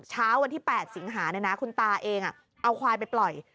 เช้าวันที่๘สิงหาเนี่ยนะคุณตาเองอ่ะเอาควายไปปล่อย